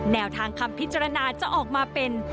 แนวทางคำพิจารณาจะออกมาเป็น